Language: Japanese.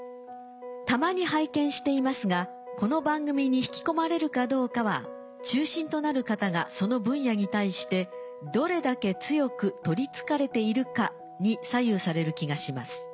「たまに拝見していますがこの番組に引き込まれるかどうかは中心となる方がその分野に対してどれだけ強く取り憑かれているかに左右される気がします。